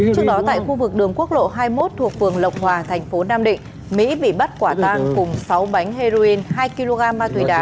trước đó tại khu vực đường quốc lộ hai mươi một thuộc phường lộc hòa thành phố nam định mỹ bị bắt quả tang cùng sáu bánh heroin hai kg ma túy đá